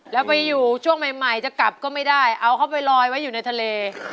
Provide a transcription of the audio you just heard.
แล้วไปอยู่ช่วงใหม่จะกลับก็ไม่ได้เอาเขาไปลอยไว้อยู่ในทะเล